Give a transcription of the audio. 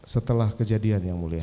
setelah kejadian yang mulia